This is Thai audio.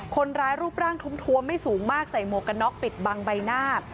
คนร้ายรูปร่างทุ่มทวมไม่สูงมากใส่หมวกกันน็อกปิดบังใบหน้า